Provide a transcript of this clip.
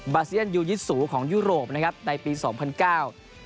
เซียนยูยิตสูของยุโรปนะครับในปีสองพันเก้า